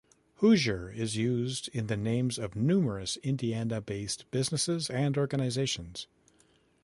"Hoosier" is used in the names of numerous Indiana-based businesses and organizations.